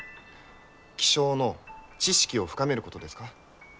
気象の知識を深めることですか？